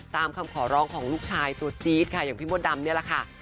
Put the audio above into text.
ตามคำขอร้องของลูกชายตัวจี๊ดค่ะอย่างพี่มดดำนี่แหละค่ะ